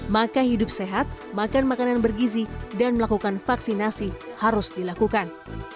maka hidup sehat makan makanan bergizi dan melakukan vaksinasi harus dilakukan